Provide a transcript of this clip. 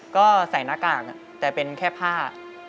ก็ใส่หน้ากากแต่เป็นแค่ผ้า